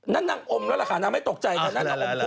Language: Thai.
นางอมแล้วเหรอก่ะนางไม่ตกใจค่ะ